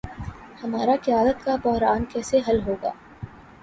ہمارا قیادت کا بحران کیسے حل ہو گا۔